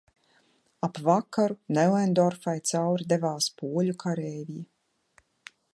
Ap vakaru Neuendorfai cauri devās poļu kareivji.